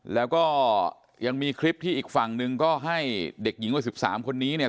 แล้วก็ยังมีคลิปที่อีกฝั่งหนึ่งก็ให้เด็กหญิงวัย๑๓คนนี้เนี่ย